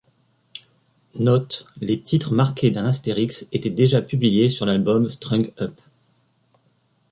Note - les titres marqués d'un astérisque étaient déjà publiés sur l'album Strung Up.